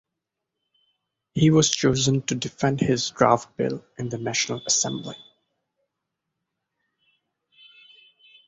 He was chosen to defend this draft bill in the National Assembly.